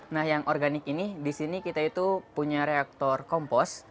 nah yang organik ini di sini kita itu punya reaktor kompos